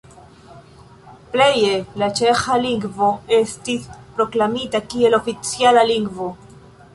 Pleje la ĉeĥa lingvo estis proklamita kiel oficiala lingvo.